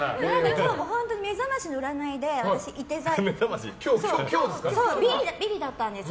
今日も本当に「めざまし」の占いでいて座、ビリだったんです。